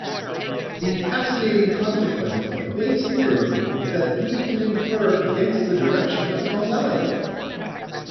The fascinating consequence of Bayes' theorem is that we can infer against the direction of causality.